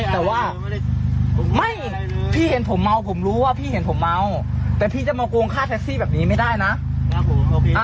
แต่ว่าไม่พี่เห็นผมเมาผมรู้ว่าพี่เห็นผมเมาแต่พี่จะมาโกงค่าแท็กซี่แบบนี้ไม่ได้นะ